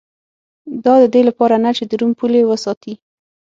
دا د دې لپاره نه چې د روم پولې وساتي